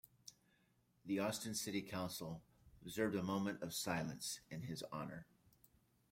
The Austin City Council observed a moment of silence in his honor.